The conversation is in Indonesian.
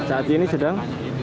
saat ini sedang